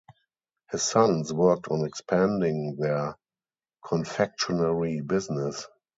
His sons worked on expanding their confectionery business.